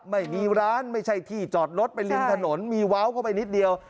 ไม่มีร้านไม่ใช่ที่จอดรถไปริมถนนมีว้าวเข้าไปนิดเดียว